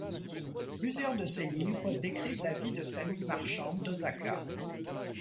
Plusieurs de ses livres décrivent la vie de familles marchandes d'Osaka.